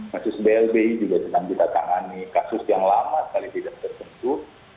kasus blbi juga sedang kita tangani kasus yang lama sekali tidak tersentuh